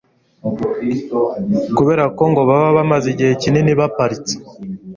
kubera ko ngo baba bamaze igihe kinini baparitse